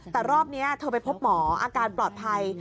แต่รอบนี้เธอไปพบหมออาการปลอดภัย